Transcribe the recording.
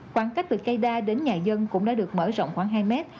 khoảng cách từ cây đa đến nhà dân cũng đã được mở rộng khoảng hai mét